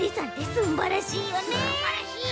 すんばらしいよな！